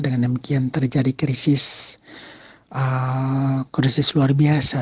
dengan demikian terjadi krisis luar biasa